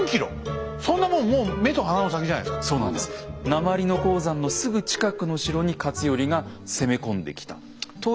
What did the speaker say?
鉛の鉱山のすぐ近くの城に勝頼が攻め込んできたということは。